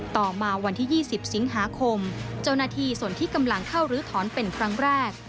ต่อมาวันที่๒๐สิงหาคมเจ้าหน้าที่ส่วนที่กำลังเข้ารื้อถอนเป็นครั้งแรก